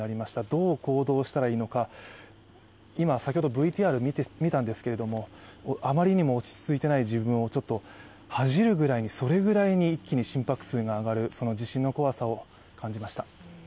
どう行動したらいいのか、今、先ほどＶＴＲを見たんですけれども、あまりにも落ち着いていない自分を、ちょっと恥じるぐらいにそれぐらいに一気に心拍数が上がる、地震の怖さを感じました。